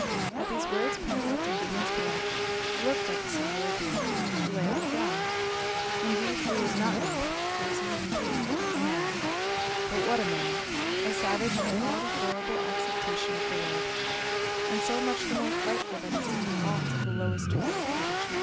At these words Pencroft and Gideon Spilett looked at the singular being who lay on the ground. Indeed it was not an ape, it was a human being, a man. But what a man! A savage in all the horrible acceptation of the word, and so much the more frightful that he seemed fallen to the lowest degree of brutishness!